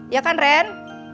iya kan ren